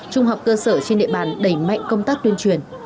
trung học cơ sở trên địa bàn đẩy mạnh công tác tuyên truyền